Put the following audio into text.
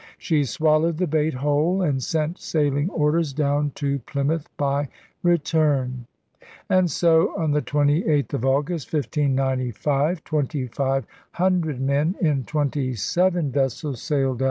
She swallowed the bait whole; and sent sailing orders down to Plymouth by return. And so, on the 28th of August, 1595, twenty five hundred men in twenty seven vessels sailed out.